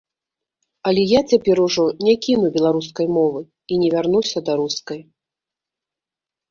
Але я цяпер ужо не кіну беларускай мовы і не вярнуся да рускай.